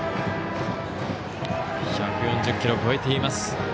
１４０キロ超えています。